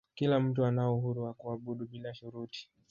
kila mtu anao uhuru wa kuabudu bila shuruti